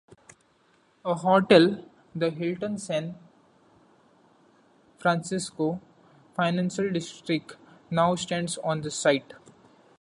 A hotel, the Hilton San Francisco Financial District, now stands on this site.